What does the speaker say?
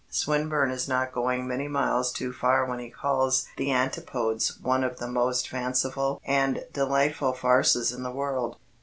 Swinburne is not going many miles too far when he calls The Antipodes "one of the most fanciful and delightful farces in the world."